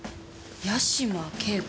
八島景子？